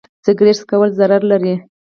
سګرټ څکول ضرر لري.